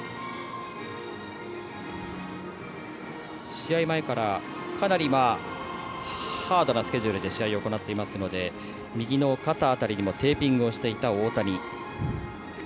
試合前から、かなりハードなスケジュールで試合を行っていますので右の肩辺りにもテーピングをしていた大谷。